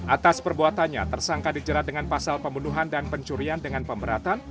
atas perbuatannya tersangka dijerat dengan pasal pembunuhan dan pencurian dengan pemberatan